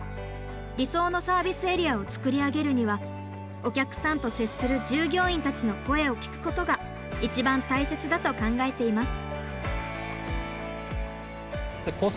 理想のサービスエリアを作り上げるにはお客さんと接する従業員たちの声を聞くことが一番大切だと考えています。